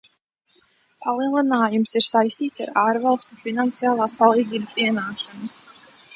Palielinājums ir saistīts ar ārvalstu finansiālās palīdzības ienākšanu.